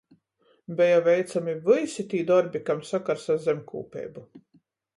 Beja veicami vysi tī dorbi, kam sakars ar zemkūpeibu.